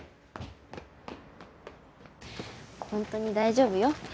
本当に大丈夫よ。